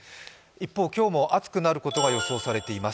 一方、今日も暑くなることが予想されています。